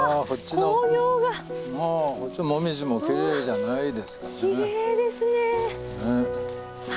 こっち紅葉もきれいじゃないですか。